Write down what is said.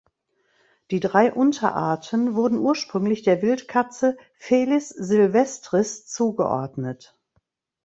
Die drei Unterarten wurden ursprünglich der Wildkatze ("Felis sylvestris") zugeordnet.